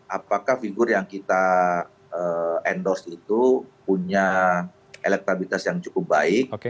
apakah figur yang kita endorse itu punya elektabilitas yang cukup baik